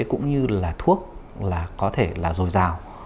cũng như là thuốc có thể là dồi dào